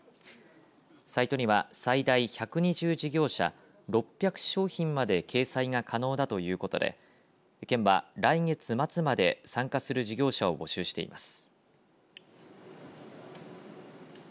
サイトには最大１２０事業者６００商品まで掲載が可能だということで県は来月末まで参加する事業者を募集しています。